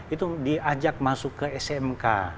itu diajak masuk ke smk